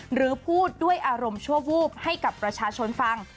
หรือพูดด้วยอารมณ์ชั่ววูบให้กับประชาชนฟัง